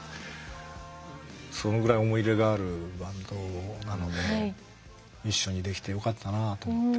そのぐらい思い入れがあるバンドなので一緒にできてよかったなと思って。